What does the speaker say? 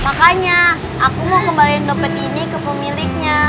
makanya aku mau kembalikan dompet ini ke pemiliknya